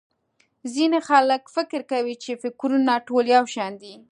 ځينې خلک فکر کوي چې٫ فکرونه ټول يو شان دي.